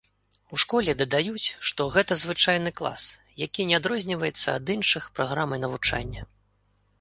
У школе дадаюць, што гэта звычайны клас, які не адрозніваецца ад іншых праграмай навучання.